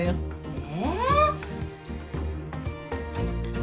え？